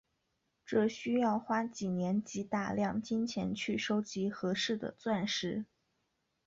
这需要花几年及大量金钱去收集合适的钻石。